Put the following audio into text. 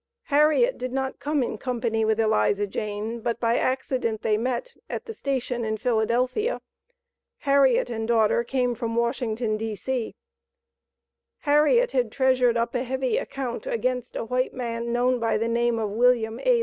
Harriet did not come in company with Eliza Jane, but by accident they met at the station in Philadelphia. Harriet and daughter came from Washington, D.C. Harriet had treasured up a heavy account against a white man known by the name of William A.